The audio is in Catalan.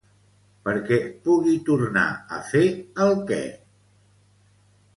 Perquè pugui tornar a fer el què?